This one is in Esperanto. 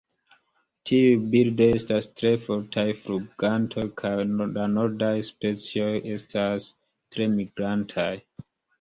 Tiuj birdoj estas tre fortaj flugantoj kaj la nordaj specioj estas tre migrantaj.